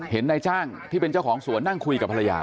นายจ้างที่เป็นเจ้าของสวนนั่งคุยกับภรรยา